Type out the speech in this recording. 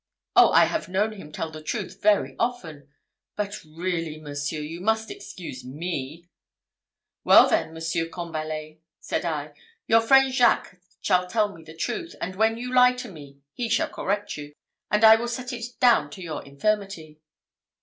Oh, I have known him tell the truth very often; but really, monseigneur, you must excuse me." "Well, then, Monsieur Combalet," said I, "your friend Jacques shall tell me the truth; and when you lie to me, he shall correct you; and I will set it down to your infirmity."